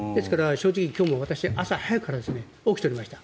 今日も私、朝早くから起きていました。